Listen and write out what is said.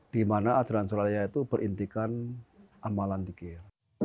di mana ajaran suralaya itu berintikan amalan dikira